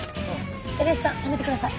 エルエスさん止めてください。